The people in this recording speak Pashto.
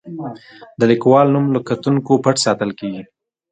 د لیکوال نوم له کتونکو پټ ساتل کیږي.